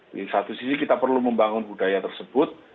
di satu sisi kita perlu membangun budaya tersebut